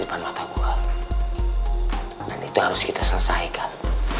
di depan mata gue dan itu harus kita selesaikan